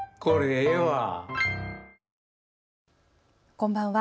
こんばんは。